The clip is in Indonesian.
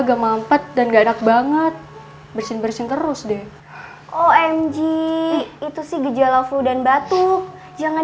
gak mampet dan enak banget bersin bersin terus deh omg itu sih gejala flu dan batuk jangan